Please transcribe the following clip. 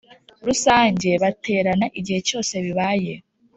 Rusange baterana igihe cyose bibaye